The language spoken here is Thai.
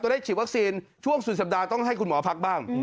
ได้ฉีดวัคซีนช่วงสุดสัปดาห์ต้องให้คุณหมอพักบ้าง